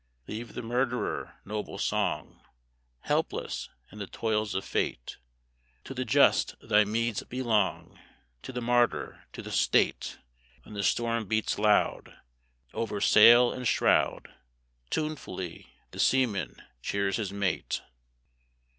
Leave the murderer, noble song, Helpless in the toils of fate: To the just thy meeds belong, To the martyr, to the state. When the storm beats loud Over sail and shroud, Tunefully the seaman cheers his mate.